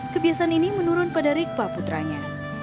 kebiasaan ini menurun pada rikpa putranya